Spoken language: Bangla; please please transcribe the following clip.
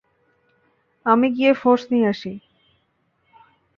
আমি গিয়ে ফোর্স নিয়ে আসি।